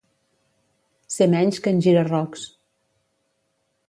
Ser menys que en Gira-rocs.